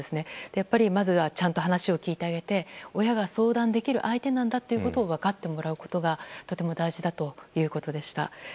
やっぱりまずはちゃんと話を聞いてあげて親が相談できる相手なんだということを分かってもらうことがとても大事だということでした。